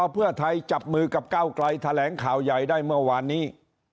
เพื่อไทยจับมือกับก้าวไกลแถลงข่าวใหญ่ได้เมื่อวานนี้